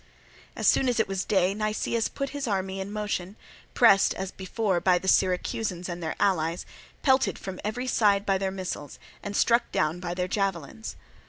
As soon as it was day Nicias put his army in motion, pressed, as before, by the Syracusans and their allies, pelted from every side by their missiles, and struck down by their javelins.